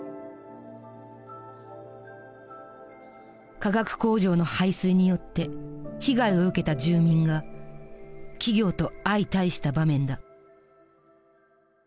化学工場の排水によって被害を受けた住民が企業と相対した場面だ。